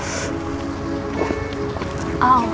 itu cara ini pak